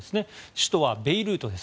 首都はベイルートです。